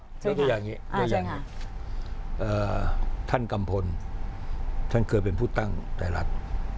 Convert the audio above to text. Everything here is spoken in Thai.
แล้วก็อย่างนี้ท่านกัมพลท่านเคยเป็นผู้ตั้งไทยรัฐ